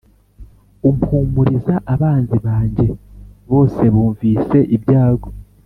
umpumuriza Abanzi banjye bose bumvise ibyago